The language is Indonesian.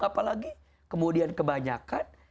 apalagi kemudian kebanyakan